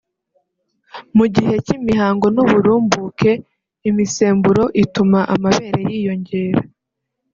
mu gihe cy’imihango n’uburumbuke imisemburo ituma amabere yiyongera